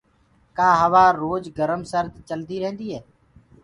ڪآ هوآ هر روج گرم سرد چلدي ريهنٚدي هي